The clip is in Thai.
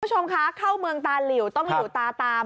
คุณผู้ชมคะเข้าเมืองตาหลิวต้องหลิวตาตาม